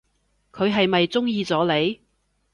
佢係咪中意咗你？